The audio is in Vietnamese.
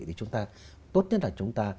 thì chúng ta tốt nhất là chúng ta